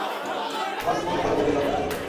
আমার প্রথমে কলেজে দেড় লক্ষ টাকা দিতে হবে।